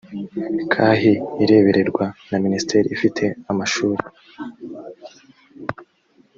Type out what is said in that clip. khi irebererwa na minisiteri ifite amashuri